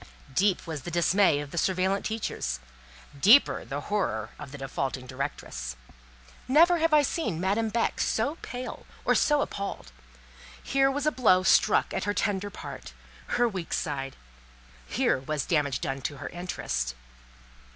Deep was the dismay of surveillante teachers, deeper the horror of the defaulting directress. Never had I seen Madame Beck so pale or so appalled. Here was a blow struck at her tender part, her weak side; here was damage done to her interest.